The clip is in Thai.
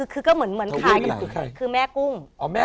คือก็เหมือนขายกันคือแม่กุ้ง